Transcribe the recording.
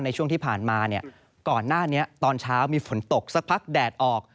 ในช่วงที่ผ่านมาเนี่ยก่อนหน้านี้ตอนเช้ามีฝนตกสักพักแดดออก